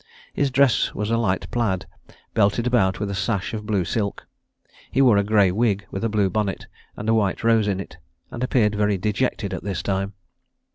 His dress was a light plaid, belted about with a sash of blue silk: he wore a grey wig, with a blue bonnet, and a white rose in it, and appeared very dejected at this time.